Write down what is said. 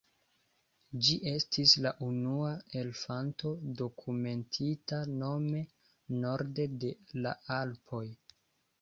Ĝi estis la unua elefanto dokumentita nome norde de la Alpoj.